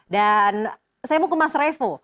dan saya mau ke mas revo